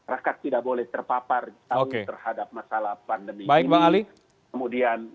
rakas tidak boleh terpapar terhadap masalah pandemi ini